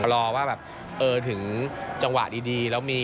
รอว่าแบบเออถึงจังหวะดีแล้วมี